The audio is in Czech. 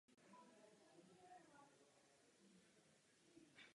Toto množství způsobuje jejich přílišnou složitost a nepřehlednost.